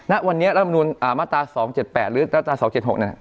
ณวันนี้รัฐมนุนมาตรา๒๗๘หรือมาตรา๒๗๖เนี่ย